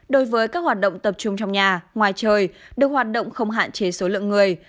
đối với các hoạt động tập trung trong nhà ngoài trời được hoạt động không hạn chế số lượng người